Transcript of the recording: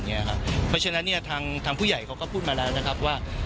เพราะฉะนั้นทางผู้ใหญ่เขาก็พูดมาแล้วนะครับว่า